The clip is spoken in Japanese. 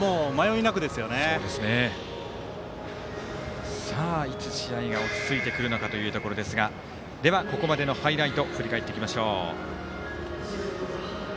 いつ試合が落ち着いてくるのかというところですがでは、ここまでのハイライト振り返っていきましょう。